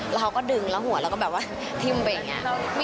แล้วเขาก็ดึงแล้วหัวเราก็แบบว่าทิ้มไปอย่างนี้